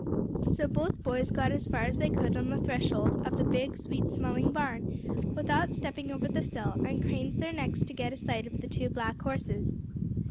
So both boys got as far as they could on the threshold of the big sweet smelling barn, without stepping over the sill, and craned their necks to get a sight of the two black horses.